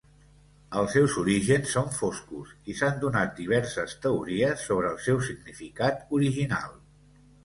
Els seus orígens són foscos i s'han donat diverses teories sobre el seu significat original.